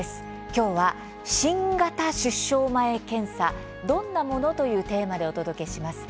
きょうは「新型出生前検査どんなもの？」というテーマでお届けします。